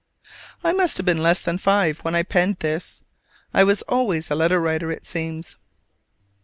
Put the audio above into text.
I must have been less than five when I penned this: I was always a letter writer, it seems.